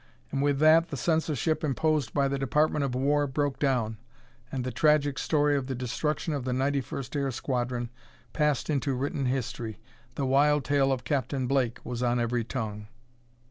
And with that the censorship imposed by the Department of War broke down, and the tragic story of the destruction of the 91st Air Squadron passed into written history. The wild tale of Captain Blake was on every tongue.